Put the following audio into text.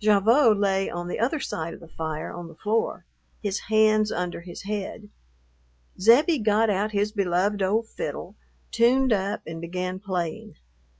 Gavotte lay on the other side of the fire on the floor, his hands under his head. Zebbie got out his beloved old fiddle, tuned up, and began playing.